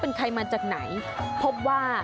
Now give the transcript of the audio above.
เป็นใครมาจากไหนเชื่อว่า